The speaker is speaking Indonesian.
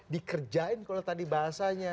dikerjain kalau tadi bahasanya